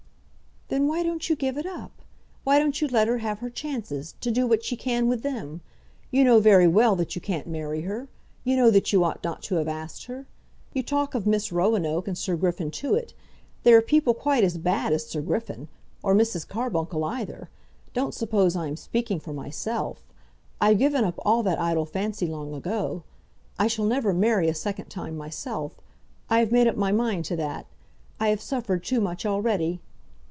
"Then why don't you give it up? Why don't you let her have her chances, to do what she can with them? You know very well that you can't marry her. You know that you ought not to have asked her. You talk of Miss Roanoke and Sir Griffin Tewett. There are people quite as bad as Sir Griffin, or Mrs. Carbuncle either. Don't suppose I am speaking for myself. I've given up all that idle fancy long ago. I shall never marry a second time myself. I have made up my mind to that. I have suffered too much already."